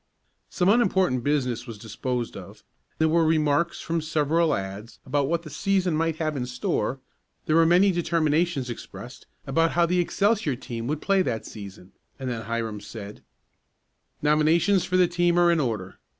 Some unimportant business was disposed of, there were remarks from several lads about what the season might have in store, there were many determinations expressed about how well the Excelsior team would play that season, and then Hiram said: "Nominations for the team are in order.